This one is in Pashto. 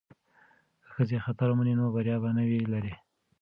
که ښځې خطر ومني نو بریا به نه وي لرې.